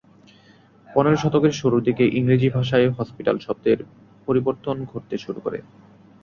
পনেরো শতকের শুরুর দিকে ইংরেজি ভাষায় হসপিটাল শব্দের পরিবর্তন ঘটতে শুরু করে।